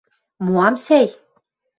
– Моам, сӓй...